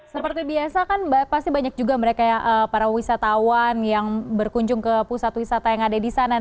seperti biasa kan pasti banyak juga mereka para wisatawan yang berkunjung ke pusat wisata yang ada di sana